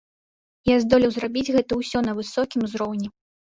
І здолеў зрабіць гэта ўсе на высокім узроўні.